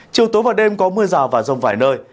chiều tối và đêm có mưa rào và rông vài nơi